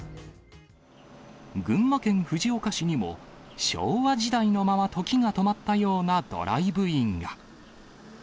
群馬県藤岡市にも、昭和時代のまま、時が止まったようなドライブインが。